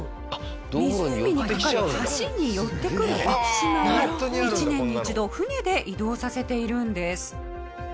湖に架かる橋に寄ってくる浮島を１年に１度船で移動させているんです。